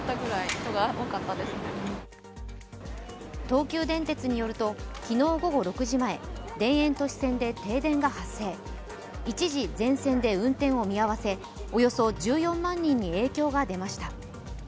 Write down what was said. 東急電鉄によると、昨日午後６時前、田園都市線で停電が発生、一時全線で運転を見合わせおよそ１４万人に影響が出ました。